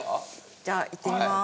じゃあいってみます。